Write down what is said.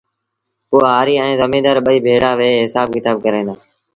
پوهآريٚ ائيٚݩ زميݩدآر ٻئي ڀيڙآ ويه هسآب ڪتآب ڪريݩ دآ